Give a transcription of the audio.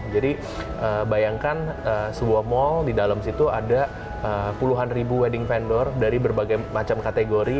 jadi bayangkan sebuah mall di dalam situ ada puluhan ribu wedding vendor dari berbagai macam kategori